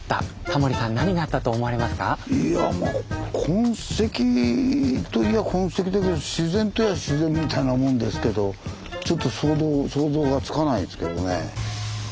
タモリさんいやまあ痕跡といや痕跡だけど自然といや自然みたいなもんですけどちょっと想像がつかないですけどね。